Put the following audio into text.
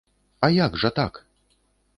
А як жа так?